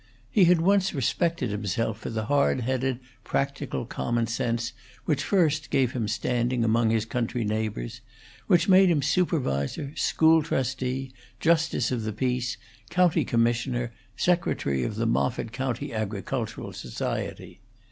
He had once respected himself for the hard headed, practical common sense which first gave him standing among his country neighbors; which made him supervisor, school trustee, justice of the peace, county commissioner, secretary of the Moffitt County Agricultural Society.